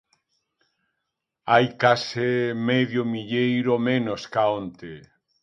Hai case medio milleiro menos ca onte.